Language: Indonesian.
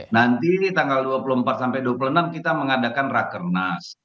nanti tanggal dua puluh empat sampai dua puluh enam kita mengadakan rakernas